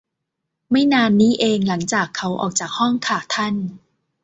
ไม่นานนี้เองหลังจากเขาออกจากห้องค่ะ ท่าน